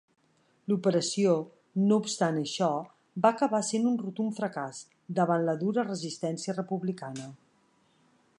L'operació, no obstant això, va acabar sent un rotund fracàs davant la dura resistència republicana.